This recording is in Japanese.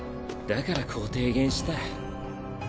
だからこう提言した。